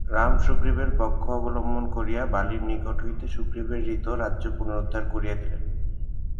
রাম সুগ্রীবের পক্ষ অবলম্বন করিয়া বালীর নিকট হইতে সুগ্রীবের হৃত রাজ্য পুনরুদ্ধার করিয়া দিলেন।